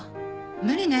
無理ね